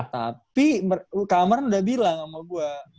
tapi commer udah bilang sama gue